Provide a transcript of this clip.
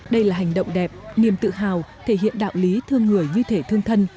đây là hành động đẹp niềm tự hào thể hiện đạo lý thương người như thể thương thân